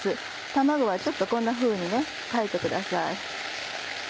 卵はちょっとこんなふうに割いてください。